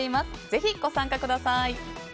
ぜひ、ご参加ください。